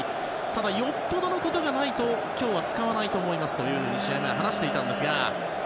ただ、よっぽどのことがないと今日は使わないと思いますと試合前、話していたんですが。